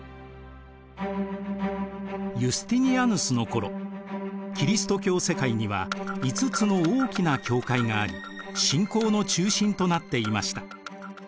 ユスティニアヌスの頃キリスト教世界には５つの大きな教会があり信仰の中心となっていました。